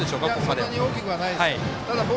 そんなに大きくはないです。